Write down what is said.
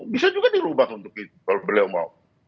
bisa juga dirubah untuk itu kalau beliau mau